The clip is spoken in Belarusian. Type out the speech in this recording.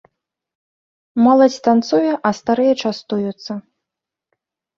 Моладзь танцуе, а старыя частуюцца.